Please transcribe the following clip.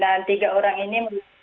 dan tiga orang ini